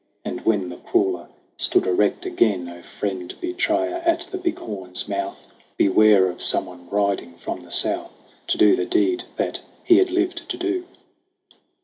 And when the crawler stood erect again O Friend Betrayer at the Big Horn's mouth, Beware of someone riding from the South To do the deed that he had lived to do